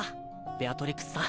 ベアトリクスさん。